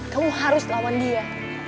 kamu harus lawan dia